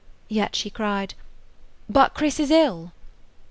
Yet she cried: "But Chris is ill!"